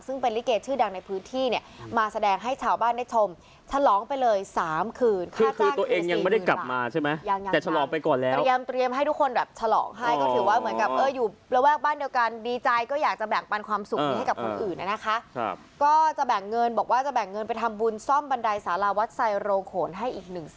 ซึ่งเป็นลิเกตชื่อดังในพื้นที่เนี้ยมาแสดงให้